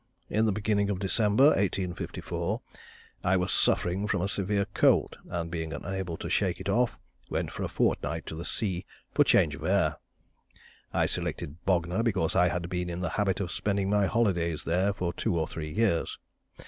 In the beginning of December, 1854, I was suffering from a severe cold, and being unable to shake it off, went for a fortnight to the sea for change of air. I selected Bognor, because I had been in the habit of spending my holidays there for two or three years.